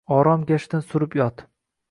Orom gashtin surib yot.